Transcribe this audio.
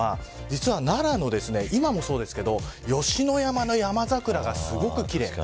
このころは、奈良の今もそうですけど吉野山のヤマザクラがすごく奇麗。